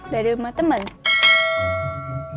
dari rumah tempatnya